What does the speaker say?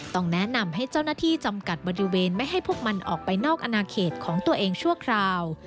ต้องแนะนำให้เจ้าหน้าที่จำกัดบริเวณไม่ให้พวกมันออกไปนอกอนาเขตของตัวเองชั่วคราว